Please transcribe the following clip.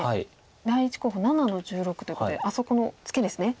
第１候補７の十六ということであそこのツケですね。